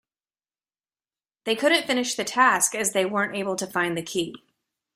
They couldn't finish the task as they weren't able to find the key